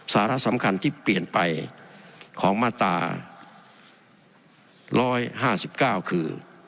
สาระสำคัญที่เปลี่ยนไปของมาตรา๑๕๙คือ